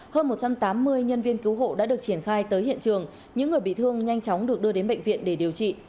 hơn một trăm tám mươi nhân viên cứu hộ đã được triển khai tới hiện trường những người bị thương nhanh chóng được đưa đến bệnh viện để điều trị